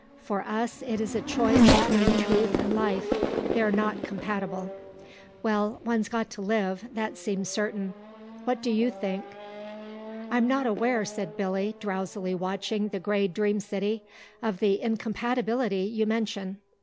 For us it is a choice between truth and life; they're not compatible. Well, one's got to live; that seems certain.... What do you think?" "I'm not aware," said Billy, drowsily watching the grey dream city, "of the incompatibility you mention."